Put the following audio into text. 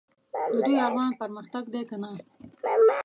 د دوی ارمان پرمختګ دی که نه ؟